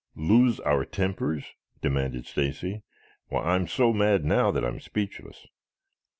"Lose our tempers?" demanded Stacy. "Why, I'm so mad now that I'm speechless.